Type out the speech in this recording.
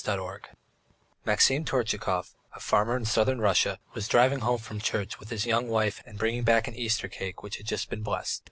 THE COSSACK MAXIM TORTCHAKOV, a farmer in southern Russia, was driving home from church with his young wife and bringing back an Easter cake which had just been blessed.